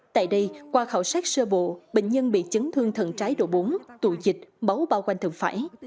tại đây qua khảo sát sơ bộ bệnh nhân bị chấn thương thận trái độ bốn tụ dịch máu bao quanh thần phải